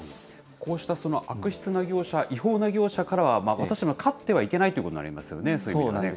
こうした悪質な業者、違法な業者からは、私たちも買ってはいけないということになりますよね。